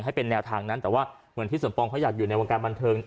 ให้เป็นแนวทางนั้นแต่ว่าเหมือนที่สมปองเขาอยากอยู่ในวงการบันเทิง